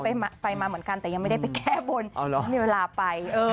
เอาใครไปบนนะ